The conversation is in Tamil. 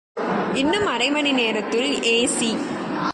இன்னும் அரை மணி நேரத்துல ஏ.ஸி.